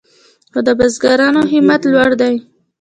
خو د بزګرانو همت لوړ دی.